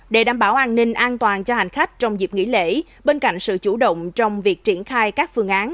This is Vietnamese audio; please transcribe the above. để đảm bảo an ninh an toàn cho hành khách trong dịp nghỉ lễ bên cạnh sự chủ động trong việc triển khai các phương án